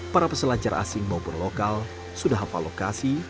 para peselancar asing maupun lokal sudah hafal lokasi